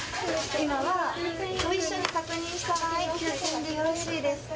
今は、ご一緒に確認した場合の９０００円でよろしいですか？